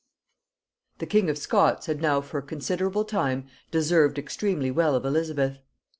The king of Scots had now for a considerable time deserved extremely well of Elizabeth.